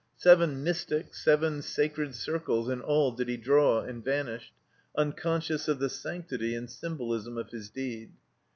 Seven mystic, seven sacred circles in all did he draw, and vanished, unconscious of the sanctity and symbolism of his deed.